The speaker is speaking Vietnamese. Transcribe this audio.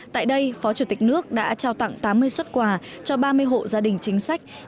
tại đây phó chủ tịch nước đã trao tặng tám mươi xuất quà cho ba mươi hộ gia đình chính sách